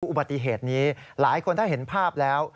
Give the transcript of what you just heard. อุบัติเหตุนี้หลายคนถ้าเห็นภาพแล้ว